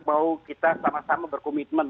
bahwa kita sama sama berkomitmen